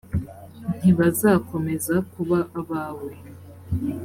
ntibazakomeza kuba abawe .